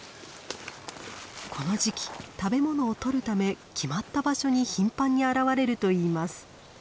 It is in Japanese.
この時期食べ物をとるため決まった場所に頻繁に現れるといいます。